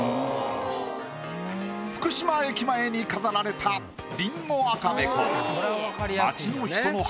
福島駅前に飾られたりんご赤べこ。